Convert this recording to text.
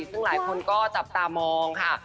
ซึ่งหลายคนก็จับตามองค่ะ